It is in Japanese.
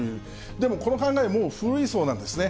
でも、この考え、もう古いそうなんですね。